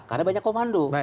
karena banyak komando